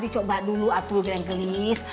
dicoba dulu atuh dengan gelis